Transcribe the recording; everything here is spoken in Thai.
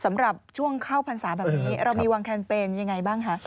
สำหรับช่วงเข้าพรรษาแบบนี้เรามีวางแคมเปญยังไงบ้างคะ